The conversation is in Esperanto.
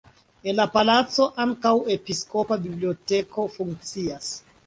En la palaco ankaŭ episkopa biblioteko funkcias.